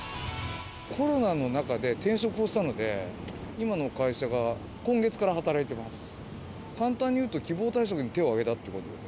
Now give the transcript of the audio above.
コロナの中で転職をしたので、今の会社が、今月から働いてます。